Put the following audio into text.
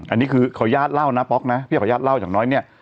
อันนี้คือขออนุญาตเล่านะป๊อกนะพี่ขออนุญาตเล่าอย่างน้อยเนี่ย